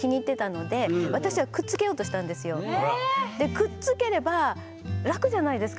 ⁉くっつければ楽じゃないですか。